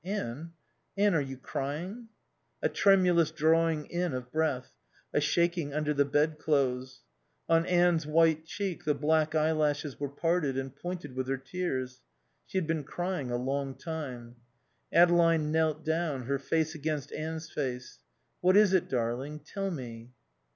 "Anne Anne are you crying?" A tremulous drawing in of breath, a shaking under the bed clothes. On Anne's white cheek the black eyelashes were parted and pointed with her tears. She had been crying a long time. Adeline knelt down, her face against Anne's face. "What is it darling? Tell me."